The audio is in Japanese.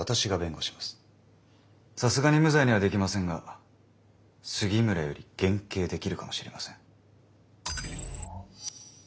さすがに無罪にはできませんが杉村より減刑できるかもしれません。